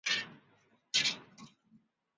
东北地岛与斯匹次卑尔根岛隔欣洛彭海峡。